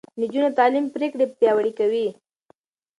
د نجونو تعليم پرېکړې پياوړې کوي.